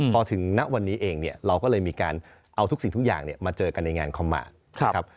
พอถึงณวันนี้เองเนี่ยเราก็เลยมีการเอาทุกสิ่งทุกอย่างมาเจอกันในงานคอมมากนะครับ